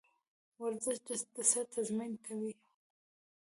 ورزش د صحت تضمین کوي.